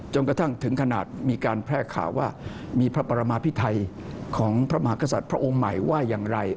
กระทั่งถึงขนาดมีการแพร่ข่าวว่ามีพระปรมาพิไทยของพระมหากษัตริย์พระองค์ใหม่ว่าอย่างไร